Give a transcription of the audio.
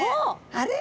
あれ？